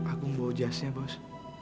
aku mau jasnya bos